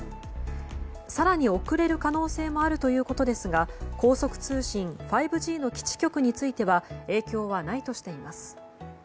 更に遅れる可能性もあるということですが高速通信５Ｇの基地局については影響はないとしています。